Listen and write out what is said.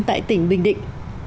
tại tỉnh bình định